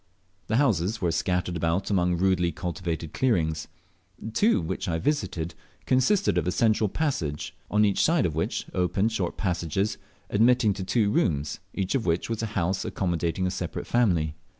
The houses were scattered about among rudely cultivated clearings. Two which I visited consisted of a central passage, on each side of which opened short passages, admitting to two rooms, each of which was a house accommodating a separate family.